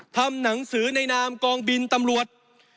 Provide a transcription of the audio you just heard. ทำหนังสือในนามกองบินตำรวจ